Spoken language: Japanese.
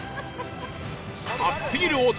熱すぎる男